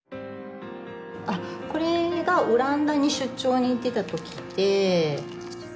これがオランダに出張に行ってた時で。